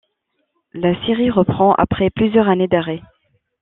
La série reprend après plusieurs années d’arrêt.